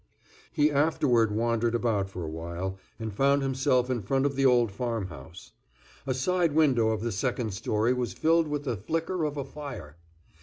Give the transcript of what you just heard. He afterward wandered about for a while, and found himself in front of the old farm house. A side window of the second story was filled with the flicker of a fire.